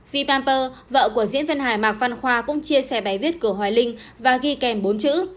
vy pamper vợ của diễn viên hài mạc văn khoa cũng chia sẻ bài viết của hoài linh và ghi kèm bốn chữ